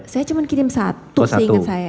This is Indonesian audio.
saya cuma kirim satu seingat saya